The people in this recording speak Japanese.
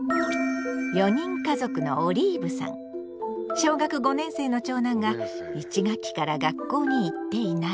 小学５年生の長男が１学期から学校に行っていない。